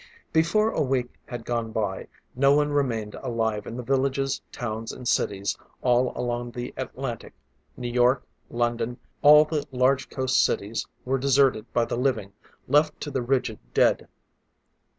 Before a week had gone by, no one remained alive in the villages, towns and cities all along the Atlantic. New York, London, all the large coast cities were deserted by the living, left to the rigid dead.